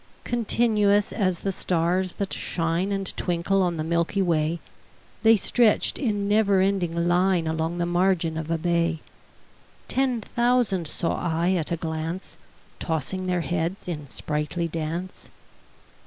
Continuous as the stars that shine And twinkle on the milky way, The stretched in never ending line Along the margin of a bay: Ten thousand saw I at a glance, Tossing their heads in sprightly dance.